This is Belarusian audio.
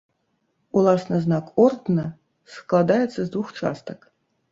Уласна знак ордэна складаецца з двух частак.